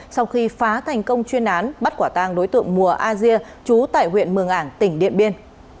sau khi phá thành công chuyên án bắt quả tàng đối tượng mùa asia chú tại huyện mường ảng tỉnh điện biên